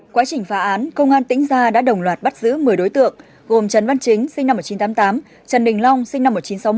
quá trình phá án công an tỉnh gia đã đồng loạt bắt giữ một mươi đối tượng gồm trần văn chính sinh năm một nghìn chín trăm tám mươi tám trần đình long sinh năm một nghìn chín trăm sáu mươi